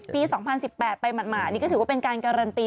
๒๐๑๘ไปหมาดนี่ก็ถือว่าเป็นการการันตี